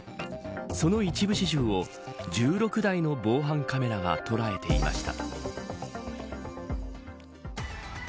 その一部始終を１６台の防犯カメラが捉えていました。